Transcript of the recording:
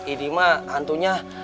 ini mah hantunya